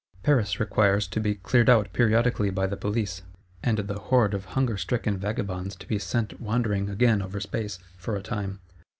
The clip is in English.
Paris requires to be cleared out periodically by the Police; and the horde of hunger stricken vagabonds to be sent wandering again over space—for a time.